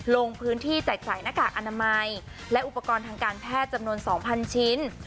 ลงพื้นที่แจกจ่ายหน้ากากอนามัยและอุปกรณ์ทางการแพทย์จำนวน๒๐๐ชิ้น